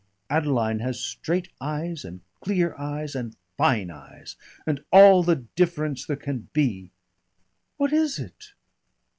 Adeline has straight eyes and clear eyes and fine eyes, and all the difference there can be, what is it?